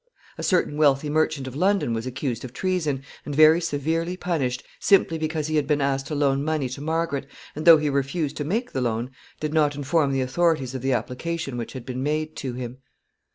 A certain wealthy merchant of London was accused of treason, and very severely punished, simply because he had been asked to loan money to Margaret, and, though he refused to make the loan, did not inform the authorities of the application which had been made to him.